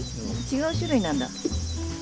違う種類なんだ。